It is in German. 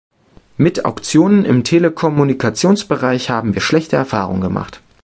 Mit Auktionen im Telekommunikationsbereich haben wir schlechte Erfahrungen gemacht.